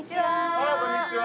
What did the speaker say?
こんにちは。